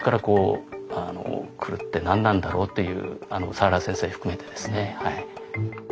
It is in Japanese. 佐原先生含めてですねはい。